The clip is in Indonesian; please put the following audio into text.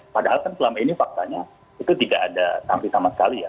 padahal kan selama ini faktanya itu tidak ada sanksi sama sekali ya